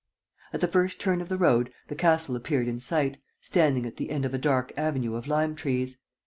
At the first turn of the road, the castle appeared in sight, standing at the end of a dark avenue of lime trees.